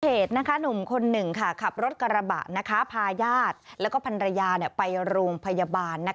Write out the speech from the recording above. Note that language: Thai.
หนุ่มคนหนึ่งขับรถกระบะพาญาติแล้วก็พันรยาไปโรงพยาบาล